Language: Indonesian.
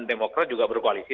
demokrat juga berkoalisi